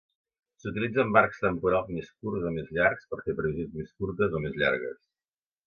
S'utilitzen marcs temporals més curts o més llargs per fer previsions més curtes o més llargues.